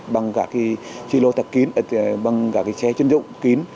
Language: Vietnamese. bằng cả cái xe chân dụng kín